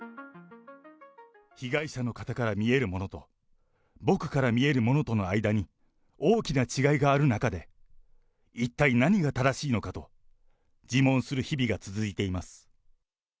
被害者の方から見えるものと、僕から見えるものとの間に大きな違いがある中で、一体何が正しいのかと、自問する日々が続いています。